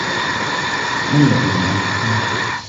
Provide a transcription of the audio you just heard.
ما الذي يراهُ فيها ؟